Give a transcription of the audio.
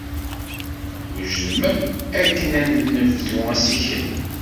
Twejdem akk akken ad nebdu assikel?